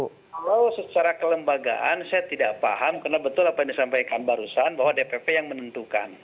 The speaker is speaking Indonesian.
kalau secara kelembagaan saya tidak paham karena betul apa yang disampaikan barusan bahwa dpp yang menentukan